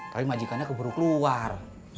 tapi majikan nya keburu keluar